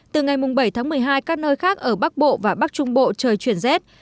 từ ngày bảy tháng một mươi hai các nơi khác ở bắc bộ và bắc trung bộ trời chuyển rét